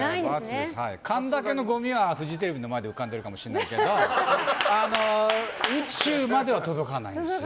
神田家のごみはフジテレビの前で浮かんでるかもしれないけど宇宙までは届かないです。